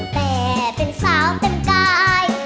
แต่เป็นสาวเป็นกาย